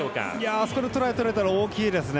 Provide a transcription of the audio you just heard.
あそこでトライ取れたのは大きいですね。